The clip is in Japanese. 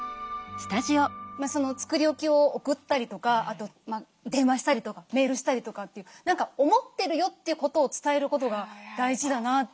作り置きを送ったりとかあと電話したりとかメールしたりとかっていう「思ってるよ」ということを伝えることが大事だなって思いますね。